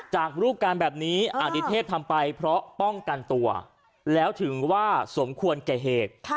จากรูปการณ์แบบนี้อดิเทพทำไปเพราะป้องกันตัวแล้วถึงว่าสมควรแก่เหตุ